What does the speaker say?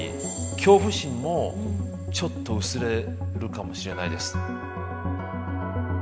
恐怖心もちょっと薄れるかもしれないです。